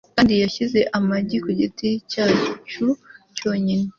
kandi yashyize amagi ku giti cyacu cyonyine